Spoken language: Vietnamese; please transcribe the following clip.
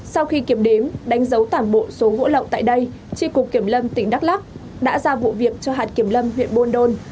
sau khi kiểm đếm đánh dấu toàn bộ số gỗ lậu tại đây tri cục kiểm lâm tỉnh đắk lắc đã ra vụ việc cho hạt kiểm lâm huyện buôn đôn